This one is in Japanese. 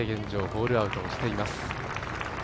ホールアウトしています。